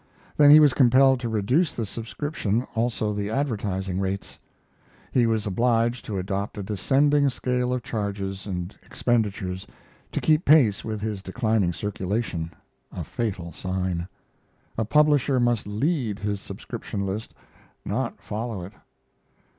Then he was compelled to reduce the subscription, also the advertising rates. He was obliged to adopt a descending scale of charges and expenditures to keep pace with his declining circulation a fatal sign. A publisher must lead his subscription list, not follow it.